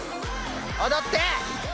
踊って。